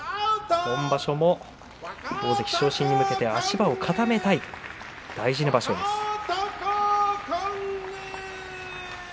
今場所も大関昇進に向けて足場を固めたい大事な場所です。